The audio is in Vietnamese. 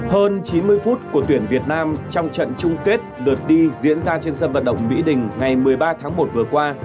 hơn chín mươi phút của tuyển việt nam trong trận chung kết lượt đi diễn ra trên sân vận động mỹ đình ngày một mươi ba tháng một vừa qua